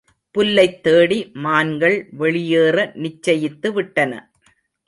புல்லைத் தேடி மான்கள் வெளியேற நிச்சயித்து விட்டன.